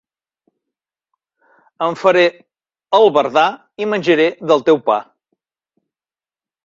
Em faré albardà i menjaré del teu pa.